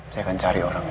saya akan cari orangnya